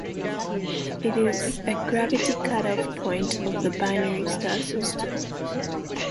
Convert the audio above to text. It is a gravity cut-off point of the binary star system.